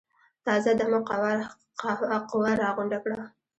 تازه دمه قوه راغونډه کړه.